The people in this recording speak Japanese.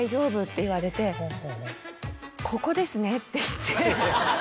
言われて「ここですね」って言って。